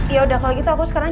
yaudah kalau gitu aku sekarang